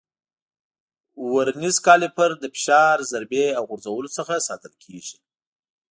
ورنیز کالیپر له فشار، ضربې او غورځولو څخه ساتل کېږي.